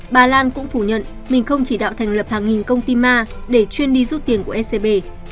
bà lan cũng phủ nhận mình không chỉ đạo thành lập hàng nghìn công ty ma để chuyên đi rút tiền của scb